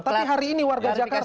tapi hari ini warga jakarta